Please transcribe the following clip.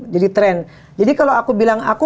jadi tren jadi kalau aku bilang aku